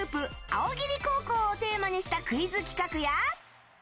おぎり高校をテーマにしたクイズ企画や。